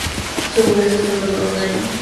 Su gobierno solo duró un año.